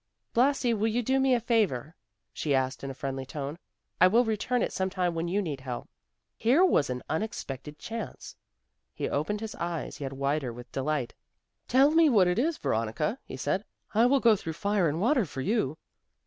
"Blasi, will you do me a favor?" she asked in a friendly tone, "I will return it sometime when you need help." Here was an unexpected chance. He opened his eyes yet wider with delight. "Tell me what it is, Veronica," he said; "I will go through fire and water for you."